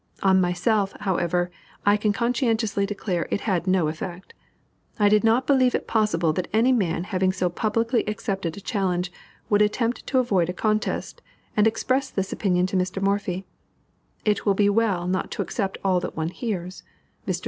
On myself, however, I can conscientiously declare it had no effect. I did not believe it possible that any man having so publicly accepted a challenge, would attempt to avoid a contest, and expressed this opinion to Mr. Morphy, "It will be well not to accept all that one hears. Mr.